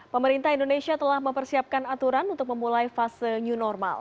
pemerintah indonesia telah mempersiapkan aturan untuk memulai fase new normal